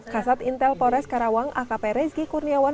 kasat intel polres karawang akp rezki kurniawan